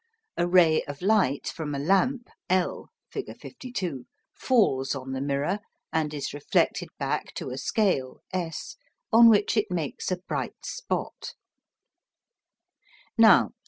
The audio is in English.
A ray of light from a lamp L (figure 52) falls on the mirror, and is reflected back to a scale S, on which it makes a bright spot.